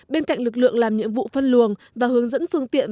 bên cạnh lực lượng làm nhiệm vụ phân luồng và hướng dẫn phương tiện